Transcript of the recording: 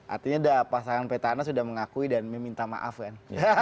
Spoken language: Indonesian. artinya pasangan petahana sudah mengakui dan meminta maaf kan